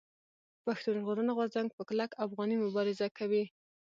پښتون ژغورني غورځنګ په کلک افغاني مبارزه کوي.